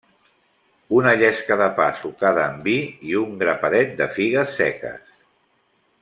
Una llesca de pa sucada en vi, i un grapadet de figues seques.